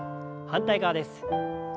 反対側です。